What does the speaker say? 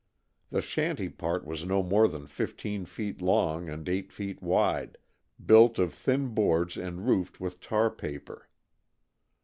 The shanty part was no more than fifteen feet long and eight feet wide, built of thin boards and roofed with tar paper.